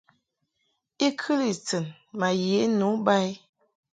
I kɨli tɨn ma ye nu ba i.